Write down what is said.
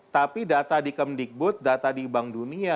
tapi data di kemdikbud data di bank dunia